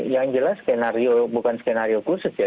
yang jelas skenario bukan skenario khusus ya